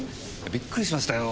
びっくりしましたよ。